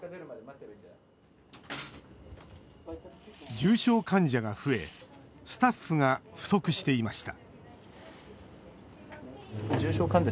重症患者が増えスタッフが不足していました